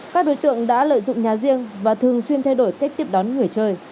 các đối tượng đã lợi dụng nhà riêng và thường xuyên thay đổi cách tiếp đón người chơi